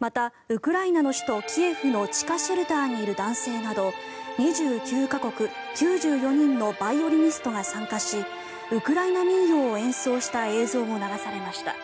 また、ウクライナの首都キエフの地下シェルターにいる男性など２９か国９４人のバイオリニストが参加しウクライナ民謡を演奏した映像も流されました。